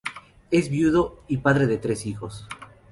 Es viudo y padre de tres hijos.